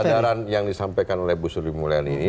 kesadaran yang disampaikan oleh bu sri mulyani ini